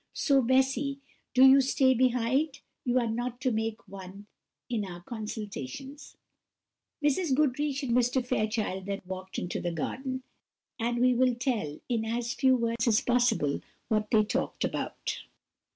So, Bessy, do you stay behind; you are not to make one in our consultations." Mrs. Goodriche and Mr. Fairchild then walked into the garden; and we will tell, in as few words as possible, what they talked about.